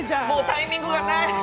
もうタイミングがない。